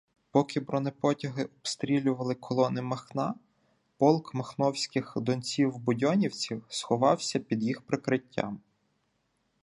Поки бронепотяги обстрілювали колони Махна, полк махновських донців-будьонівців сховався під їх прикриттям.